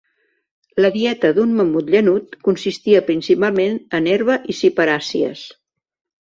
La dieta d'un mamut llanut consistia principalment en herba i ciperàcies.